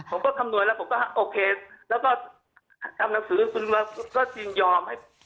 ผมก็คำนวยแล้วผมก็โอเคแล้วก็ทำหนังสือคุณผู้จังคุณพิวัตน์ก็สินยอม